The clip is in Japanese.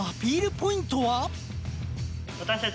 ポイントは？